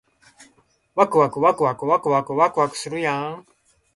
わくわくわくわくわくするやーん